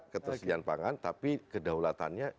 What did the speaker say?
ketersediaan pangan tapi kedaulatannya